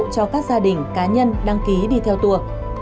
cho các gia đình cá nhân đăng ký đi theo tour